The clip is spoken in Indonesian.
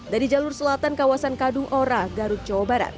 dari jalur selatan kawasan kadung ora garut jawa barat